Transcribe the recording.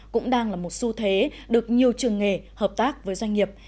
cũng đang là một xu thế được nhiều trường nghề hợp tác với doanh nghiệp